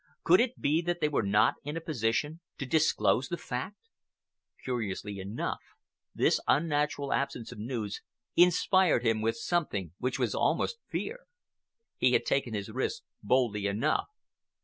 Could it be that they were not in a position to disclose the fact? Curiously enough, this unnatural absence of news inspired him with something which was almost fear. He had taken his risks boldly enough.